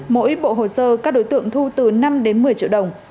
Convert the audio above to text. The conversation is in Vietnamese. mỗi bộ hồ sơ các đối tượng thu từ năm đến một mươi triệu đồng